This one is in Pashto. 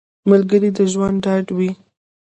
ملګری د ژوند ډاډ وي